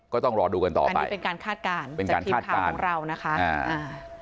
ก็ต้องรอดูกันต่อไปอันนี้เป็นการคาดการณ์จากทีมค่าเราน่ะครับ